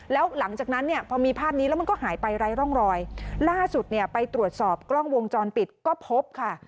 แล้วหลังจากนั้นเนี่ยพอมีภาพนี้แล้วมันก็หายไปไร้ร่องรอยล่าสุดเนี่ยไปตรวจสอบกล้องวงจรปิดก็พบค่ะ